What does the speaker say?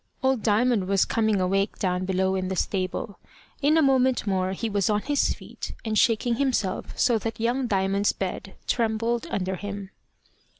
Old Diamond was coming awake down below in the stable. In a moment more he was on his feet, and shaking himself so that young Diamond's bed trembled under him.